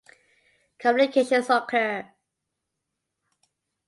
Complications occur.